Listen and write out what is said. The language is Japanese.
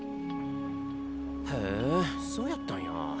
へえそうやったんや。